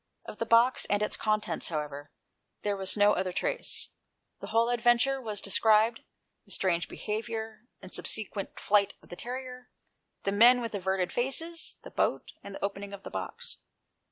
Of the box and its contents, however, there was no other trace. The whole adventure was described — the strange behaviour and subsequent flight of the terrier — the men with averted faces — the boat — and the opening of the box.